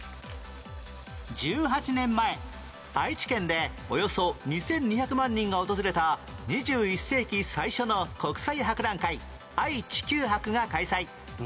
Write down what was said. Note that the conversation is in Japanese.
１８年前愛知県でおよそ２２００万人が訪れた２１世紀最初の国際博覧会愛・地球博が開催